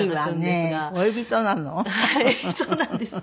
はいそうなんです。